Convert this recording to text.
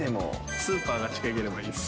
スーパーが近ければいいです。